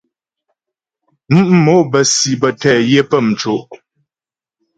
Mǔ' mò bə́ si bə́ tɛ yə pə́ mco'.